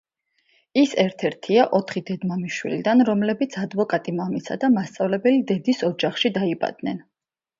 ის ერთ-ერთია ოთხი დედმამიშვილიდან, რომლებიც ადვოკატი მამისა და მასწავლებელი დედის ოჯახში დაიბადნენ.